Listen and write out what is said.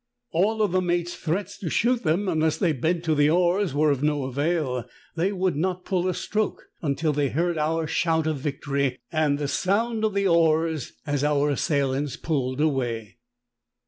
All the mate's threats to shoot them unless they bent to the oars were of no avail ; they would not pull a stroke until they heard our shout of victory and the sound of the oars as our assailants pulled away.